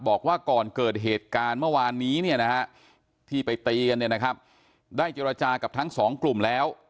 บอกว่าก่อนเกิดเหตุการณ์เมื่อวานนี้ที่ไปตีกันได้เจรจากับทั้งสองกลุ่มแล้ว